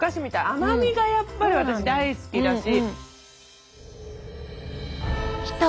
甘みがやっぱり私大好きだし。